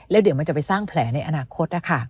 แล้วเดี๋ยวมันจะไปสร้างแผลในอนาคตนะคะ